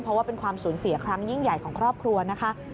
เพราะว่าเป็นความสูญเสียครั้งยิ่งใหญ่ของครอบครัวนะคะ